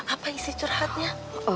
apa isi curhatnya